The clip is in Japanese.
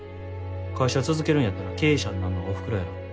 会社続けるんやったら経営者になんのはおふくろやろ。